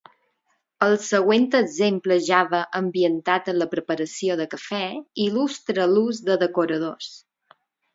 El següent exemple Java ambientat en la preparació de cafè il·lustra l'ús de decoradors.